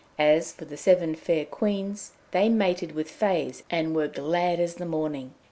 As for the Seven Fair Queens, they mated with Fées, and were glad as the morning.